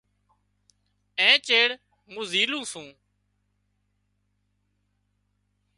اين چيڙ مُون زِيلُون سُون۔